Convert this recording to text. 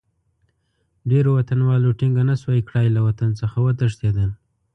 ډېرو وطنوالو ټینګه نه شوای کړای، له وطن څخه وتښتېدل.